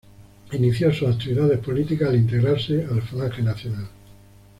Inició sus actividades políticas al integrarse a la Falange Nacional.